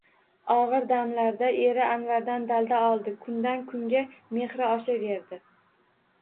Og`ir damlarda eri Anvardan dalda oldi, kundan kunga mehri oshaverdi